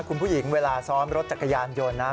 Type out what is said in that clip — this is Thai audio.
คุณผู้หญิงเวลาซ้อมรถจักรยานยนต์นะ